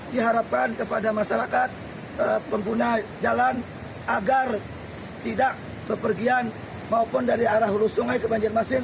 diharapkan kepada masyarakat pengguna jalan agar tidak pepergian maupun dari arah hulu sungai ke banjarmasin